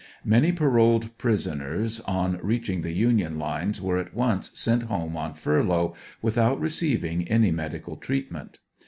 Many paroled prisoners, on reaching the Union lines were at once sent home on furlough, without receiving any medical treatment.